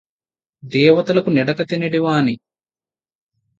దేవతలకు నిడక తినెడివాని